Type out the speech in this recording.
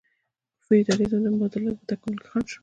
فیوډالیزم د مبادلاتو په تکامل کې خنډ شو.